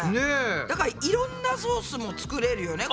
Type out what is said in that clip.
だからいろんなソースも作れるよね